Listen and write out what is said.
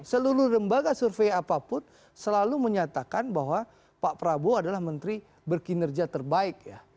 seluruh lembaga survei apapun selalu menyatakan bahwa pak prabowo adalah menteri berkinerja terbaik ya